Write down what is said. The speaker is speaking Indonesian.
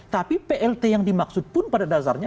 tapi plt yang dimaksud pun pada dasarnya